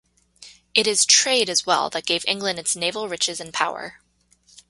It is trade as well that gave England its naval riches and power.